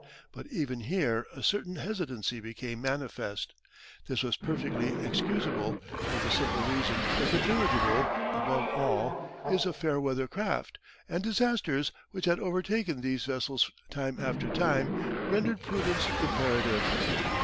But even here a certain hesitancy became manifest. This was perfectly excusable, for the simple reason that the dirigible, above all, is a fair weather craft, and disasters, which had overtaken these vessels time after time, rendered prudence imperative.